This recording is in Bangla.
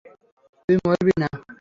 তুই মরবি না?